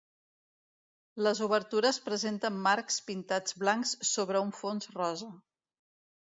Les obertures presenten marcs pintats blancs sobre un fons rosa.